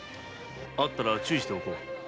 会ったら注意しておこう。